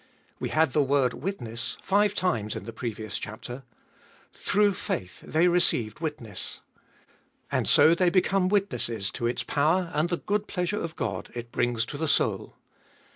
We had the word " witness " five times in the previous chapter : through faith they received witness. And so they become witnesses to its power and the good pleasure of God it brings to the soul.